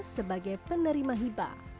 sebagai penerima hiba